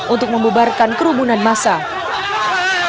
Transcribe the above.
untuk membebarkan kerumunan masal